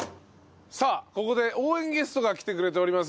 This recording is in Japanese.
さあここで応援ゲストが来てくれております。